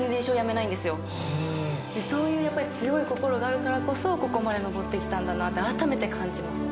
そういう強い心があるからこそここまで上ってきたんだなってあらためて感じますね。